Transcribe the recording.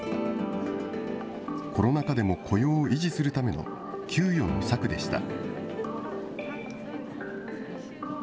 コロナ禍でも雇用を維持するための窮余の策でした。